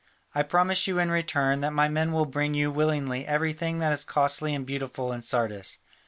I promise you in return that my men will bring you willingly everything that is costly and beautiful in Sardis.